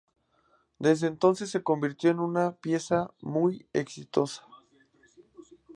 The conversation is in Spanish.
Desde entonces se convirtió en una pieza muy exitosa.